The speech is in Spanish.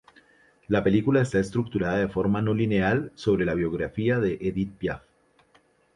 La película está estructurada de forma no lineal sobre la biografía de Édith Piaf.